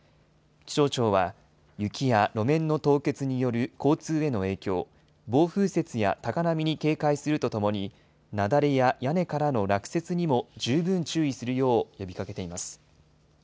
気象庁は、雪や路面の凍結による交通への影響、暴風雪や高波に警戒するとともに、雪崩や屋根からの落雪にも十分注意するよう呼びかけています。